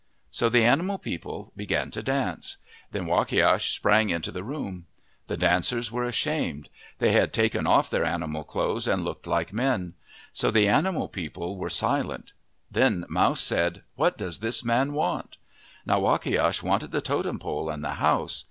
So the animal people began to dance. Then Wakiash sprang into the room. The dancers were ashamed. They had taken off their animal clothes 61 MYTHS AND LEGENDS and looked like men. So the animal people were silent. Then Mouse said, "What does this man want?' Now Wakiash wanted the totem pole and the house.